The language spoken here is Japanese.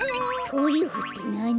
トリュフってなに？